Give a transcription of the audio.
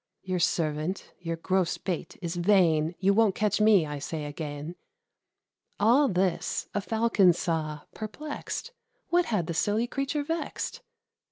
"Your servant; your gross bait is vain; You won't catch me, I say again." All this a Falcon saw, perplexed: What had the silly creature vexed?